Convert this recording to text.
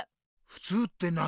ふつうって何？